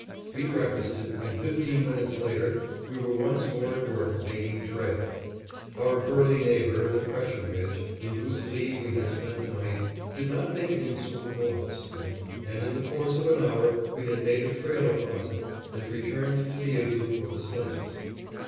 We breakfasted, and fifteen minutes later we were once more at work making trail. Our burly neighbor, the pressure ridge, in whose lee we had spent the night, did not make an insuperable obstacle, and in the course of an hour we had made a trail across it, and returned to the igloo for the sledges.